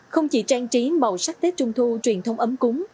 không chỉ trang trí màu sắc tết trung thu truyền thống ấm cúng